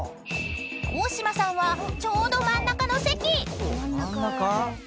［大島さんはちょうど真ん中の席］